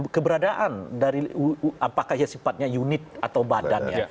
keberadaan dari apakah ya sifatnya unit atau badannya